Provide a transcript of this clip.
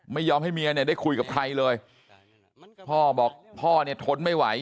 ไม่ยอมให้เมียเนี่ยได้คุยกับใครเลยพ่อบอกพ่อเนี่ยทนไม่ไหว